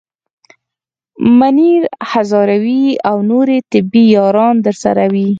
منیر هزاروی او نورې طبې یاران درسره وي.